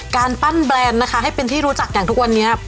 การปั้นแบรนด์นะคะให้เป็นที่รู้จักอย่างทุกวันนี้